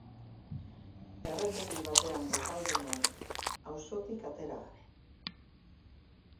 Erretegi batean gosaldu nuen, auzotik atera gabe.